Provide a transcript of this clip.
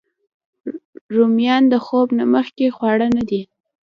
رومیان د خوب نه مخکې خواړه نه دي